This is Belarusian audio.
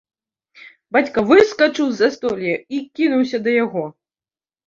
Бацька выскачыў з застолля і кінуўся да яго.